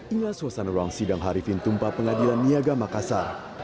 inilah suasana ruang sidang harifin tumpah pengadilan niaga makassar